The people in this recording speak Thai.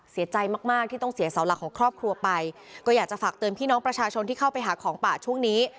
เสียใจมากมากที่ต้องเสียเสาหลักของครอบครัวไปก็อยากจะฝากเตือนพี่น้องประชาชนที่เข้าไปหาของป่าช่วงนี้